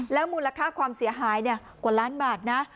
แล้วมูลค่าความเสียหายเนี่ยกว่าล้านบาทนะ